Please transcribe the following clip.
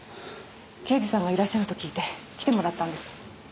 刑事さんがいらっしゃると聞いて来てもらったんです。